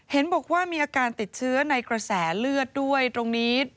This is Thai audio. เห็นบอกว่ามีอาการติดเชื้อในกระแสเลือดด้วยตรงนี้